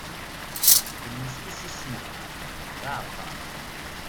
Lmesk i s-issnen, d aɛeṭṭaṛ.